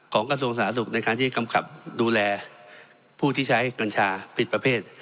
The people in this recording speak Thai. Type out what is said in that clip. กระทรวงสาธารณสุขในการที่กำกับดูแลผู้ที่ใช้กัญชาผิดประเภท